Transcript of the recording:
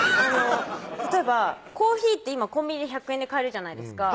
例えばコーヒーって今コンビニで１００円で買えるじゃないですか